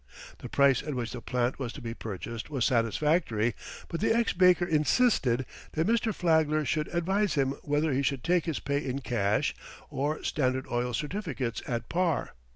The price at which the plant was to be purchased was satisfactory, but the ex baker insisted that Mr. Flagler should advise him whether he should take his pay in cash or Standard Oil certificates at par.